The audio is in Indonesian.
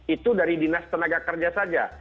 itu dari dinas tenaga kerja saja